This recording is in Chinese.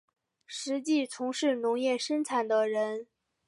实际从事农业生产的人